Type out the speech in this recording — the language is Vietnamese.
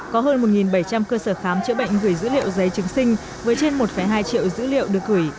có hơn một bảy trăm linh cơ sở khám chữa bệnh gửi dữ liệu giấy chứng sinh với trên một hai triệu dữ liệu được gửi